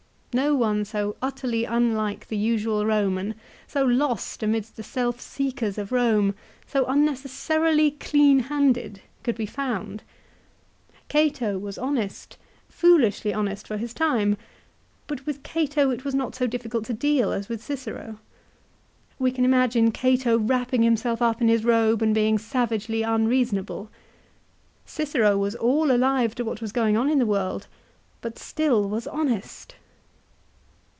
No one so utterly unlike the usual Eoman, so lost amidst the self seekers of Rome, so unneces sarily clean handed, could be found ! Cato was honest, foolishly honest for his time; but with Cato it was not so difficult to deal as with Cicero. 'We can imagine Cato wrapping himself up in his robe and being savagely un reasonable. Cicero was all alive to what was going on in the world, but still was honest